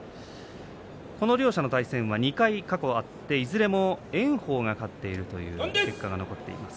この両者の対戦は２回過去ありいずれも炎鵬が勝っているという結果が残っています。